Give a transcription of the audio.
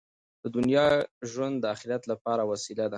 د دنیا ژوند د اخرت لپاره وسیله ده.